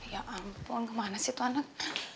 ya ampun kemana sih tuanet